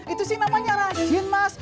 itu sih namanya rasisin mas